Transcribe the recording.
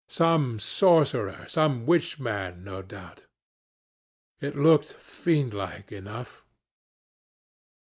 Some sorcerer, some witch man, no doubt: it looked fiend like enough.